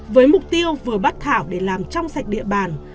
với mục tiêu vừa bắt thảo để làm trong sạch địa bàn